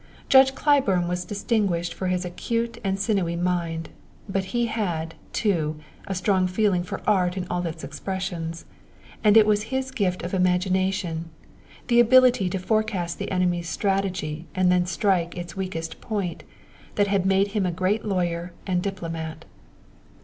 Judge Claiborne was distinguished for his acute and sinewy mind; but he had, too, a strong feeling for art in all its expressions, and it was his gift of imagination, the ability to forecast the enemy's strategy and then strike his weakest point, that had made him a great lawyer and diplomat.